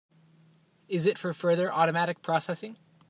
Is it for further automatic processing?